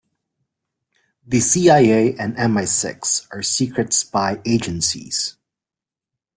The CIA and MI-Six are secret spy agencies.